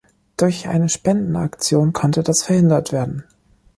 Durch eine Spendenaktion konnte das verhindert werden.